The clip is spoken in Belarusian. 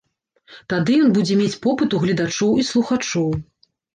Тады ён будзе мець попыт у гледачоў і слухачоў.